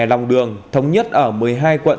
lòng đường thống nhất ở một mươi hai quận